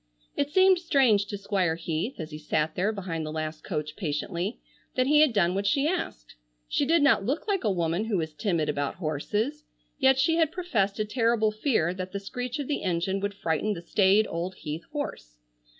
It seemed strange to Squire Heath, as he sat there behind the last coach patiently, that he had done what she asked. She did not look like a woman who was timid about horses, yet she had professed a terrible fear that the screech of the engine would frighten the staid old Heath horse.